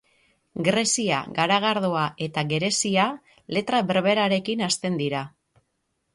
Grezia, garagardoa eta gerezia letra berberarekin hasten dira.